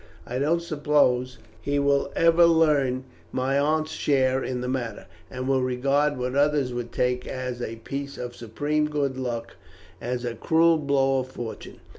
I don't suppose he will ever learn my aunt's share in the matter, and will regard what others would take as a piece of supreme good luck as a cruel blow of fortune.